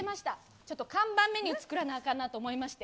ちょっと看板メニュー作らないかんなと思いまして。